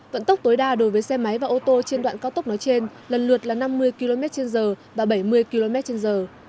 vận tốc tối đa đối với xe máy và ô tô trên đoạn cao tốc nói trên lần lượt là năm mươi km trên giờ và bảy mươi km trên giờ